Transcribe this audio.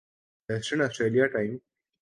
western Australia time